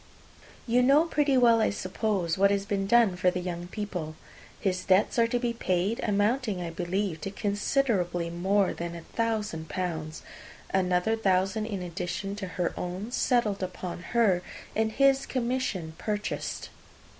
You know pretty well, I suppose, what has been done for the young people. His debts are to be paid, amounting, I believe, to considerably more than a thousand pounds, another thousand in addition to her own settled upon her, and his commission purchased.